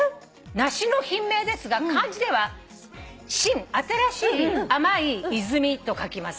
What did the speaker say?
「梨の品名ですが漢字では新新しい甘い泉と書きます」